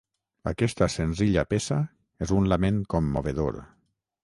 Aquesta senzilla peça és un lament commovedor.